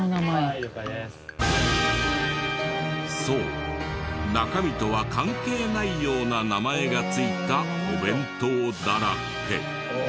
そう中身とは関係ないような名前がついたお弁当だらけ。